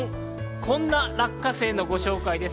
こんな落花生のご紹介です。